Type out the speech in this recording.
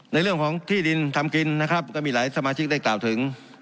ในเรื่องของที่ดินทำกินนะครับก็มีหลายสมาชิกได้กล่าวถึง